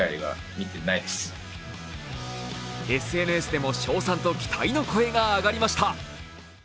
ＳＮＳでも称賛と期待の声が上がりました。